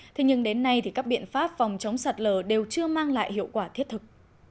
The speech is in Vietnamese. thế nhưng đến nay thì các biện pháp phòng chống sạt lở đều chưa mang lại hiệu quả thiết thực